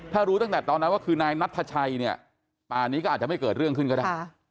ถ้ารู้ตั้งแต่ตอนนั้นว่าคือนายนัทชัยเนี่ยป่านี้ก็อาจจะไม่เกิดเรื่องขึ้นก็ได้